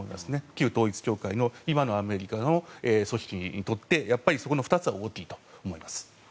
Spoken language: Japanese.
旧統一教会の今のアメリカの組織にとってそこの２つは大きいと思います。